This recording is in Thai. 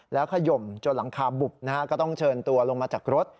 แล้วขยมจนหลังคาบุบนะฮะก็ต้องเชิญตัวลงมาจากรถ